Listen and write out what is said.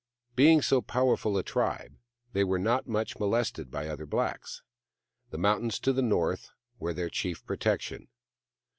Being so powerful a tribe, they were not much molested by other blacks. The mountains to the north were their chief protection.